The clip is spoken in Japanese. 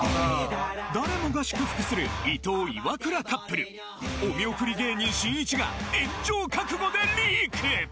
誰もが祝福する伊藤・イワクラカップルお見送り芸人しんいちが炎上覚悟でリーク！